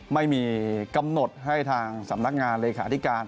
ไม่มีกำหนดให้ทางสำนักงานเลขาธิการ